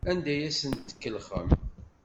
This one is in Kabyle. Anda ay asen-tkellxem?